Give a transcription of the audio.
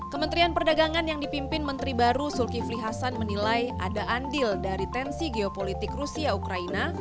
kementerian perdagangan yang dipimpin menteri baru zulkifli hasan menilai ada andil dari tensi geopolitik rusia ukraina